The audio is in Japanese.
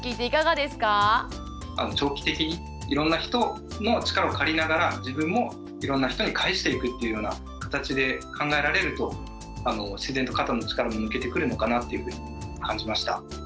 長期的にいろんな人の力を借りながら自分もいろんな人に返していくっていうような形で考えられると自然と肩の力も抜けてくるのかなっていうふうに感じました。